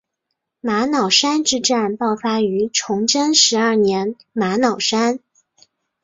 玛瑙山之战爆发于崇祯十二年玛瑙山。